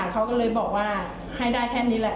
เขาก็เลยบอกว่าให้ได้แค่นี้แหละ